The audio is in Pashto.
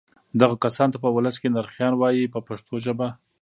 دغو کسانو ته په ولس کې نرخیان وایي په پښتو ژبه.